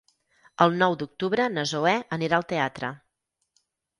El nou d'octubre na Zoè anirà al teatre.